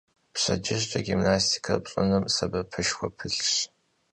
Pşedcıjç'e gimnastike pş'ınım sebepışşxue pılhş.